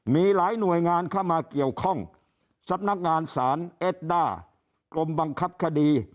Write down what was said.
มีหลายหน่วยงานเข้ามาเกี่ยวข้องสำนักงานสารเอ็ดด้ากรมบังคับคดี